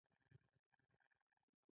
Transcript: دوی له راجپوتانو او مراتیانو سره وجنګیدل.